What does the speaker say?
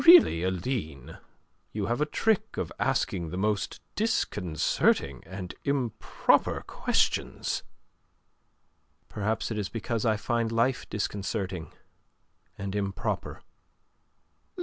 "Really, Aline, you have a trick of asking the most disconcerting and improper questions." "Perhaps it is because I find life disconcerting and improper."